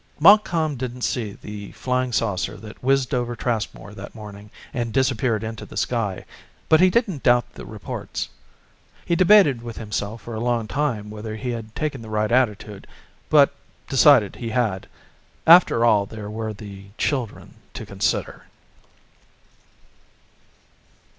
Montcalm didn't see the flying saucer that whizzed over Traskmore that morning and disappeared into the sky, but he didn't doubt the reports. He debated with himself for a long time whether he had taken the right attitude, but decided he had. After all, there were the children to consider.